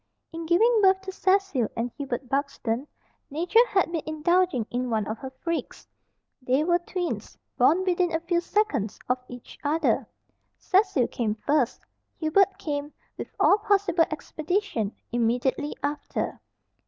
In giving birth to Cecil and Hubert Buxton, Nature had been indulging in one of her freaks. They were twins born within a few seconds of each other. Cecil came first. Hubert came, with all possible expedition, immediately after.